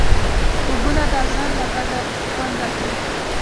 غوږونه د اذان له غږه خوند اخلي